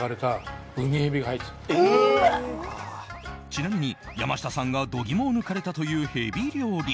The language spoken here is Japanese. ちなみに、山下さんが度肝を抜かれたというヘビ料理。